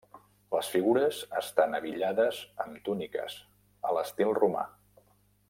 Les figures estan abillades amb túniques, a l'estil romà.